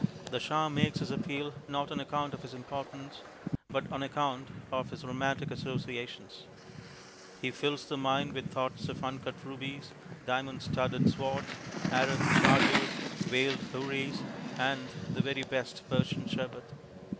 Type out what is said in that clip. The Shah makes his appeal, not on account of his importance but on account of his romantic associations. He fills the mind with thoughts of uncut rubies, diamond studded swords, Arab chargers, veiled houris, and the very best Persian sherbet.